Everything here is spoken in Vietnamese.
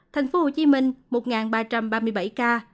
thành phố hồ chí minh một ba trăm ba mươi bảy ca